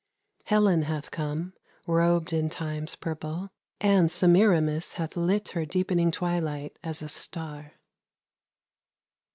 Helen hath come, Robed in Time's purple, and Semiramis Hath lit her deepening twilight as a star.